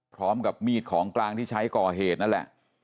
พร้อมกับมีดของกลางที่ใช้ก่อเหตุนั่นแหละ